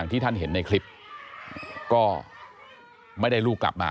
ไอ้แม่ได้เอาแม่ได้เอาแม่